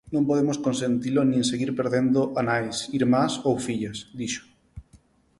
"Non podemos consentilo nin seguir perdendo a nais, irmás ou fillas", dixo.